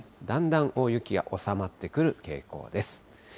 だんだん大雪が収まってくる傾向です。